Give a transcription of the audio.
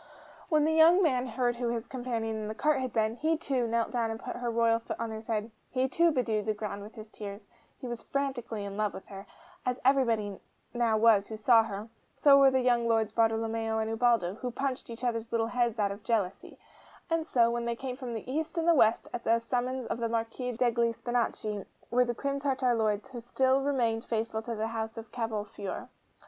When the young man heard who his companion in the cart had been, he too knelt down and put her royal foot on his head; he too bedewed the ground with his tears; he was frantically in love with her, as everybody now was who saw her: so were the young Lords Bartolomeo and Ubaldo, who punched each other's little heads out of jealousy; and so, when they came from east and west at the summons of the Marquis degli Spinachi, were the Crim Tartar Lords who still remained faithful to the House of Cavolfiore.